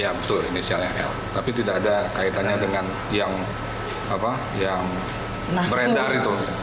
ya betul inisialnya l tapi tidak ada kaitannya dengan yang beredar itu